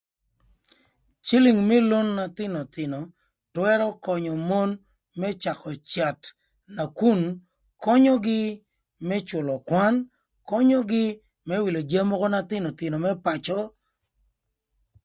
Cïlïng më lon na thïnöthïnö twërö könyö mon më cakö cath nakun könyögï më cülö kwan, könyögï më wïlö jami mökö na thïnöthïnö më pacö.